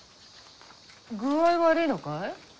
具合悪いのかい？